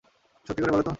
সত্যি করে বলো তো?